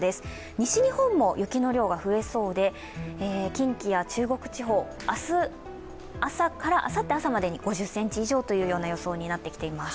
西日本も雪の量が増えそうで近畿や中国地方あさって朝までに５０ｃｍ以上というような予想になってきています。